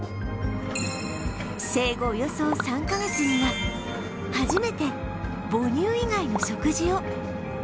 生後およそ３カ月には初めて母乳以外の食事を